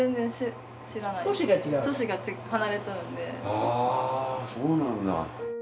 あそうなんだ。